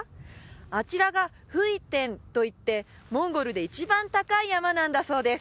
あちらがフイテンといってモンゴルで一番高い山なんだそうです